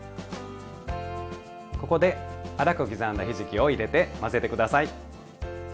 ここで粗く刻んだひじきを入れて混ぜて下さい。